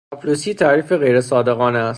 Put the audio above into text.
چاپلوسی تعریف غیرصادقانه است.